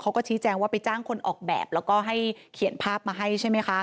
เขาก็ชี้แจงว่าไปจ้างคนออกแบบแล้วก็ให้เขียนภาพมาให้ใช่ไหมคะ